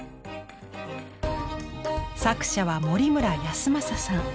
作者は森村泰昌さん。